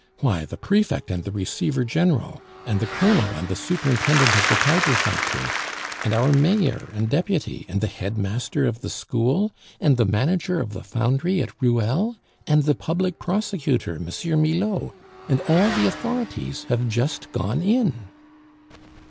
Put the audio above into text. "Why, the prefect and the receiver general, and the colonel and the superintendent of the powder factory, and our mayor and deputy, and the headmaster of the school, and the manager of the foundry at Ruelle, and the public prosecutor, M. Milaud, and all the authorities, have just gone in!"